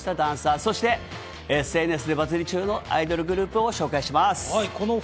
そしてＳＮＳでバズり中のアイドルグループを紹介します。